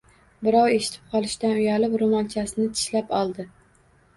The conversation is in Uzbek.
Birov eshitib qolishidan uyalib roʻmolchasini tishlab oldi